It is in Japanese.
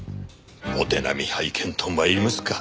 お手並み拝見と参りますか。